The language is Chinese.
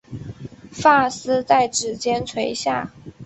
发丝在指间垂下